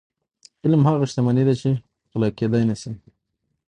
علم هغه شتمني ده چې غلا کیدی نشي.